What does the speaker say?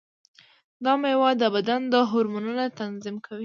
دا مېوه د بدن د هورمونونو تنظیم کوي.